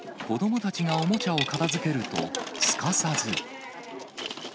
子どもたちがおもちゃを片づけると、すかさず。